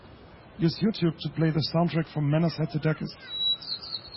Use Youtube to play the soundtrack from Manos Hadzidakis.